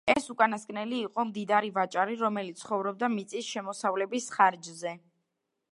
ეს უკანასკნელი იყო მდიდარი ვაჭარი, რომელიც ცხოვრობდა მიწის შემოსავლების ხარჯზე.